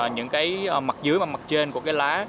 những mặt dưới và mặt trên của lá